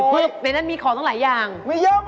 ในนั้นมีของตั้งหลายอย่างมีเยอะมากเลย